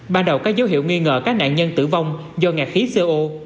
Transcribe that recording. ban đầu có dấu hiệu nghi ngờ các nạn nhân tử vong do ngạt khí co